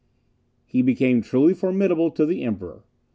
He became truly formidable to the Emperor.